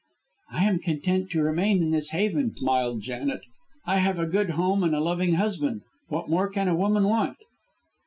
"I am content to remain in this haven," smiled Janet. "I have a good home and a loving husband. What more can a woman want?"